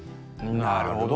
なるほど。